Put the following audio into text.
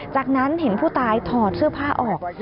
จากนั้นเห็นผู้ตายถอดเสื้อผ้าออก